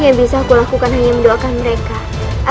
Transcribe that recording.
yang bisa aku lakukan hanya mendoakan mereka